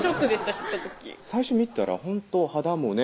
知った時最初見たらほんと肌もね